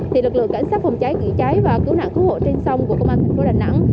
thì lực lượng cảnh sát phòng cháy chữa cháy và cứu nạn cứu hộ trên sông của công an thành phố đà nẵng